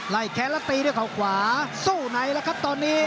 แค้นแล้วตีด้วยเขาขวาสู้ไหนแล้วครับตอนนี้